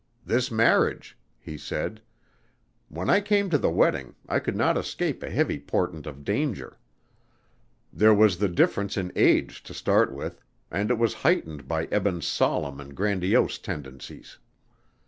"This marriage," he said. "When I came to the wedding, I could not escape a heavy portent of danger. There was the difference in age to start with and it was heightened by Eben's solemn and grandiose tendencies.